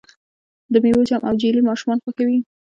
د میوو جام او جیلی ماشومان خوښوي.